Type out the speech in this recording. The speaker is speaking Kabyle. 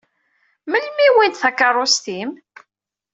Melmi i wwint takeṛṛust-im?